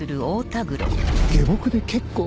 下僕で結構。